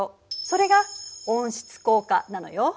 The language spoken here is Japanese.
それが「温室効果」なのよ。